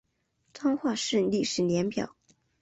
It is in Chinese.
彰化市历史年表